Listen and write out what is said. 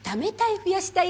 増やしたい！